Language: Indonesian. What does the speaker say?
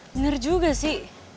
bener juga sih